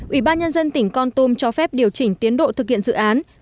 ủy ban nhân dân tỉnh con tum cho phép điều chỉnh tiến độ thực hiện dự án